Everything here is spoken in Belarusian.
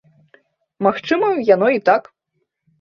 Магчыма, яно і так.